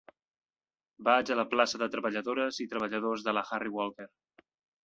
Vaig a la plaça de Treballadores i Treballadors de la Harry Walker